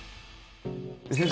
先生